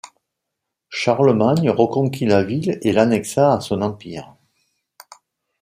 Charlemagne reconquit la ville et l'annexa à son empire.